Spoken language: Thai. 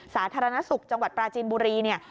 สาธารณสุขจังหวัดปราจีนบุรีเนี่ย